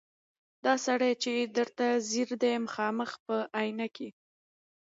دا سړی چي درته ځیر دی مخامخ په آیینه کي